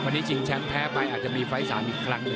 วันนี้จริงแชมพ์แพ้ไปอาจจะมีไฟล์สามอีกครั้ง